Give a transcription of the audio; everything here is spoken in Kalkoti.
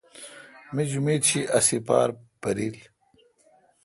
می جمیت شی ا ہ سیپار پِریل۔